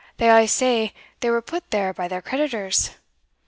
they a' say they were put there by their creditors Od!